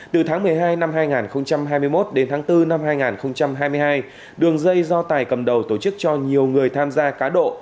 từ tháng một mươi hai năm hai nghìn hai mươi một đến tháng bốn năm hai nghìn hai mươi hai đường dây do tài cầm đầu tổ chức cho nhiều người tham gia cá độ